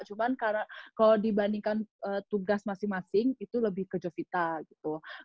cuman karena kalau dibandingkan tugas masing masing itu lebih ke jovita gitu